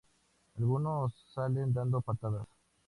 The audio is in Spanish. Algunos salen dando patadas.